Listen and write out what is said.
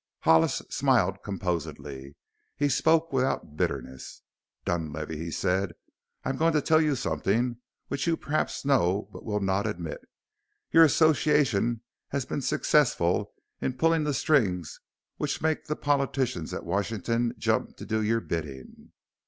Hollis smiled composedly. He spoke without bitterness. "Dunlavey," he said, "I'm going to tell you something which you perhaps know but will not admit. Your Association has been successful in pulling the strings which make the politicians at Washington jump to do your bidding.